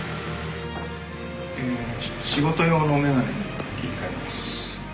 ちょっと仕事用の眼鏡に切り替えます。